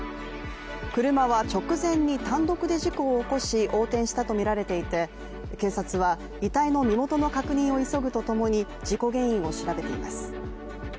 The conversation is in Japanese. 車は直前に単独で事故を起こし横転したとみられていて警察は、遺体の身元の確認を急ぐとともに事故原因を調べています。